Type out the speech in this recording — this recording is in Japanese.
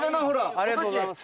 ありがとうございます。